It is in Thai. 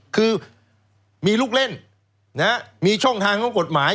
คือมีลูกเล่นมีช่องทางของกฎหมาย